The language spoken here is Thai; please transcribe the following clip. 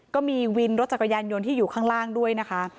ก็มีวินรถจักรยานยนต์ที่อยู่ข้างล่างด้วยนะคะ